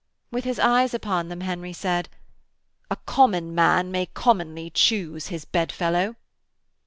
With his eyes upon them Henry said: 'A common man may commonly choose his bedfellow.'